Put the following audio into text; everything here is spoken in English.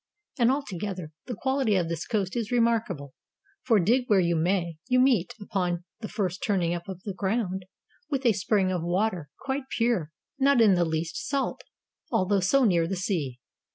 And, altogether, the quality of this coast is remarkable; for dig where you may, you meet, upon the first turning up of the ground, with a spring of water, quite pure, not in the least salt, although so near the sea.